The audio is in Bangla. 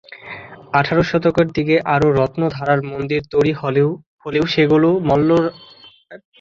আঠারো শতকের দিকে আরো রত্ন ধারার মন্দির তৈরী হলেও সেগুলি মল্ল রাজাদের করা মন্দিরের সমকক্ষ হয়ে উঠতে পারে নি।